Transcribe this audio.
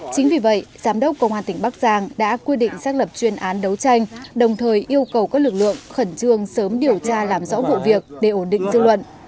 chính vì vậy giám đốc công an tỉnh bắc giang đã quy định xác lập chuyên án đấu tranh đồng thời yêu cầu các lực lượng khẩn trương sớm điều tra làm rõ vụ việc để ổn định dư luận